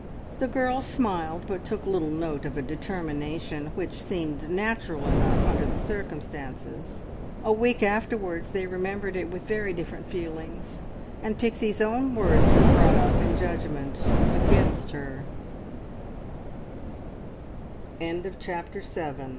The girls smiled, but took little note of a determination which seemed natural enough under the circumstances. A week afterwards they remembered it with very different feelings, and Pixie's own words were brought up in judgment against